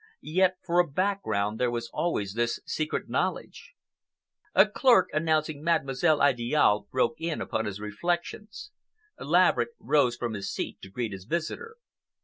Yet for a background there was always this secret knowledge. A clerk announcing Mademoiselle Idiale broke in upon his reflections. Laverick rose from his seat to greet his visitor.